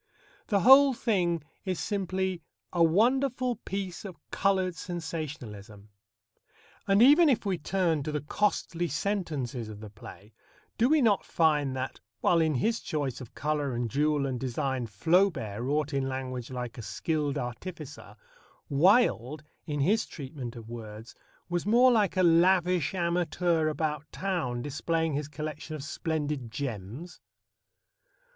The whole thing is simply a wonderful piece of coloured sensationalism. And even if we turn to the costly sentences of the play, do we not find that, while in his choice of colour and jewel and design Flaubert wrought in language like a skilled artificer, Wilde, in his treatment of words, was more like a lavish amateur about town displaying his collection of splendid gems?